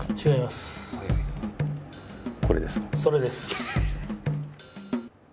それです。